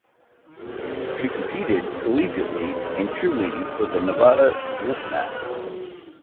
She competed collegiately in cheerleading for the Nevada Wolf Pack.